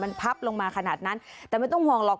มันพับลงมาขนาดนั้นแต่ไม่ต้องห่วงหรอก